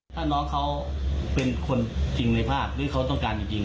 ถ้าน้องเขาเป็นคนจริงในภาพหรือเขาต้องการจริง